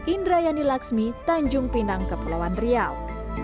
indrayani laksmi tanjung pinang kepulauan riau